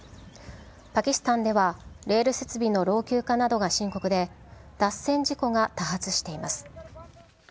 パキスタンでは、レール設備の老朽化などが深刻で、脱線事故が多発しています。